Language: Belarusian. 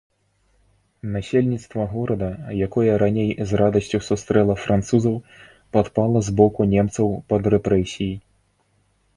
Насельніцтва горада, якое раней з радасцю сустрэла французаў, падпала з боку немцаў пад рэпрэсіі.